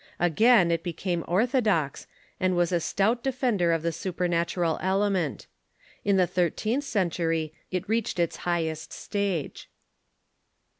Again, it became orthodox, and was a stout de fender of the supernatural element. In the thirteenth century it reached its highest stage.